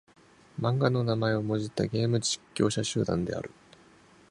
漫画の名前をもじったゲーム実況者集団である。